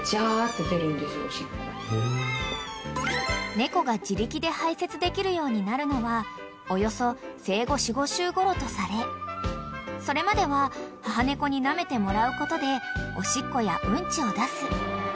［猫が自力で排せつできるようになるのはおよそ生後４５週ごろとされそれまでは母猫になめてもらうことでおしっこやうんちを出す］